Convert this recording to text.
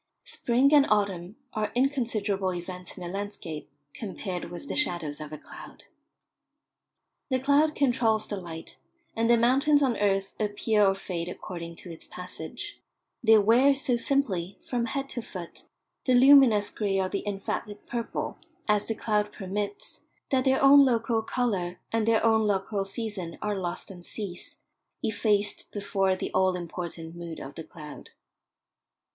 Spring and autumn are inconsiderable events in a landscape compared with the shadows of a cloud. The cloud controls the light, and the mountains on earth appear or fade according to its passage; they wear so simply, from head to foot, the luminous grey or the emphatic purple, as the cloud permits, that their own local colour and their own local season are lost and cease, effaced before the all important mood of the cloud.